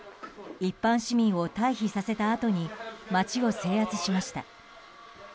一般市民を退避させたあとに街を制圧しました。